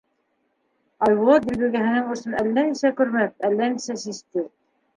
— Айбулат дилбегәһенең осон әллә нисә көрмәп, әллә нисә систе.